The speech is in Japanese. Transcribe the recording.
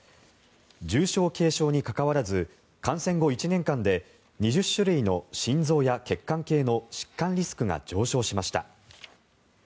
重症・軽症に関わらず感染後１年間で２０種類の心臓や血管系の疾患リスクが上昇しました。